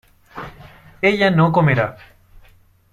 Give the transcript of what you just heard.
ella no comerá